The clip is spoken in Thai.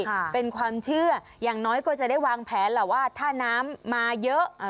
ค่ะเป็นความเชื่ออย่างน้อยก็จะได้วางแผนแหละว่าถ้าน้ำมาเยอะ